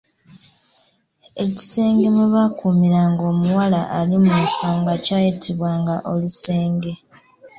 Ekisenge mwe baakuumiranga omuwala ali mu nsonga kyayitibwanga olusenge.